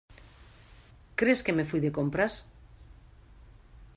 ¿ crees que me fui de compras?